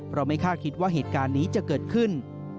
ไม่คาดคิดว่าเหตุการณ์นี้จะเกิดขึ้น